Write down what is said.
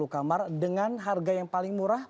satu kamar dengan harga yang paling murah